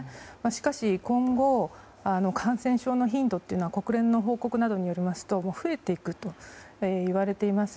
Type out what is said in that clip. しかし、今後感染症の頻度というのは国連の報告などによりますと増えていくと言われています。